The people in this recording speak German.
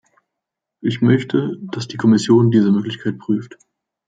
Ich möchte, dass die Kommission diese Möglichkeit prüft.